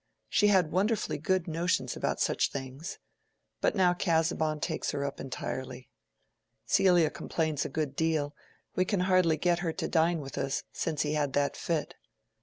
She had wonderfully good notions about such things. But now Casaubon takes her up entirely. Celia complains a good deal. We can hardly get her to dine with us, since he had that fit."